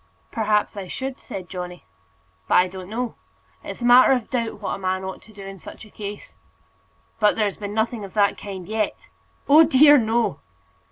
"Perhaps I should," said Johnny; "but I don't know. It's a matter of doubt what a man ought to do in such a case." "But there's been nothing of that kind yet?" "Oh dear, no!"